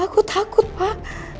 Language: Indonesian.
aku takut pak